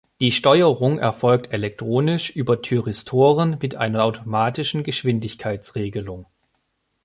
Die Steuerung erfolgt elektronisch über Thyristoren mit einer automatischen Geschwindigkeitsregelung.